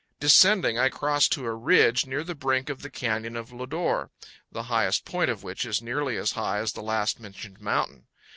Descending, I cross to a ridge near the brink of the Canyon of Lodore, the highest point of which is nearly as high as the last mentioned mountain.